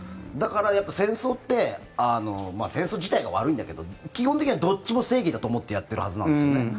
だから、戦争ってまあ戦争自体が悪いんだけど基本的にはどっちも正義だと思ってやっているはずなんですよね。